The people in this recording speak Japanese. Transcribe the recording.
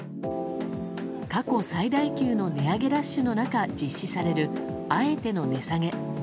過去最大級の値上げラッシュの中実施される、あえての値下げ。